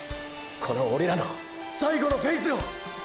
このオレらの最後のフェイズを！！